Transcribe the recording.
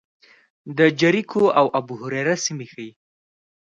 د جریکو او ابوهریره سیمې ښيي.